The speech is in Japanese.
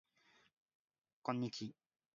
こんにち